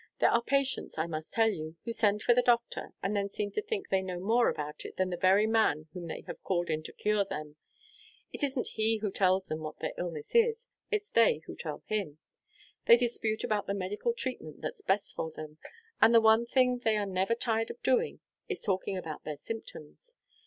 There are patients, I must tell you, who send for the doctor, and then seem to think they know more about it than the very man whom they have called in to cure them. It isn't he who tells them what their illness is; it's they who tell him. They dispute about the medical treatment that's best for them, and the one thing they are never tired of doing is talking about their symptoms.